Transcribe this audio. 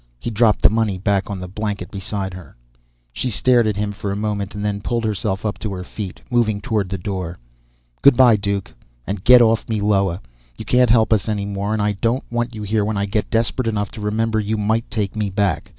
He dropped the money back on the blanket beside her. She stared at him for a moment and then pulled herself up to her feet, moving toward the door. "Good by, Duke. And get off Meloa. You can't help us any more. And I don't want you here when I get desperate enough to remember you might take me back.